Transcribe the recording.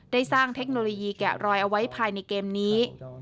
สร้างเทคโนโลยีแกะรอยเอาไว้ภายในเกมนี้